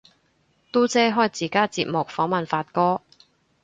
嘟姐開自家節目訪問發哥